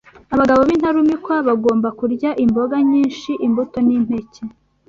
Abagabo b’intarumikwa bagomba kurya imboga nyinshi, imbuto n’impeke